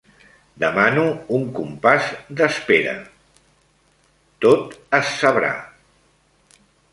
Demano un compàs d'espera… Tot és sabrà…